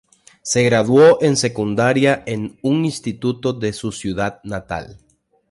Se graduó en secundaria en un instituto de su ciudad natal.